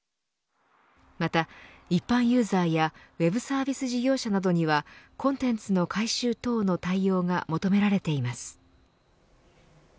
また一般ユーザーやウェブサービス事業者などにはコンテンツの改修等の対応が求められています。